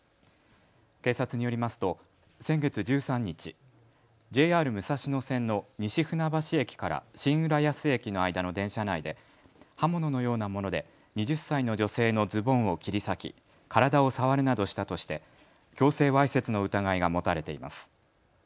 警察によりますと先月１３日、ＪＲ武蔵野線の西船橋駅から新浦安駅の間の電車内で刃物のようなもので２０歳の女性のズボンを切り裂き、体を触るなどしたとして強制わいせつの疑いが持たれています。